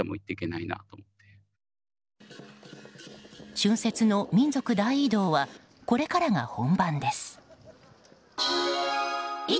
春節の民族大移動はこれからが本番です。